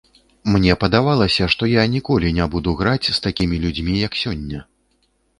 Мне падавалася, што я ніколі не буду граць з такімі людзьмі, як сёння.